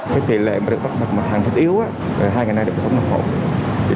cái tỷ lệ mà được bắt bằng một thằng thích yếu hai ngày nay đều có sống đồng hồ